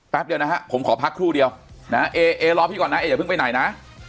แป๊บเดียวนะฮะผมขอพักครู่เดียวนะเอรอพี่ก่อนนะเอออย่าเพิ่งไปไหนนะ